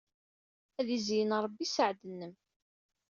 Ad izeyyen Ṛebbi sseɛd-nnem.